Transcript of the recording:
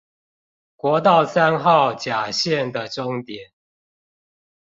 國道三號甲線的終點